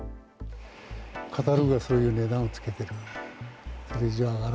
カタログがそういう値段をつけている。